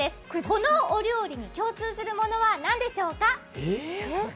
このお料理に共通するものは何でしょうか？